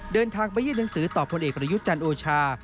เดินทางไปยื่นหนังสือต่อพลเอกประยุทธ์จันทร์โอชา